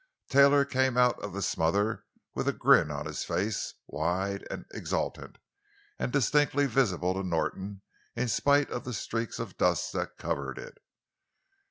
Taylor came out of the smother with a grin on his face, wide and exultant, and distinctly visible to Norton in spite of the streaks of dust that covered it.